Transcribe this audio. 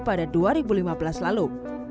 pada dua ribu lima belas lalu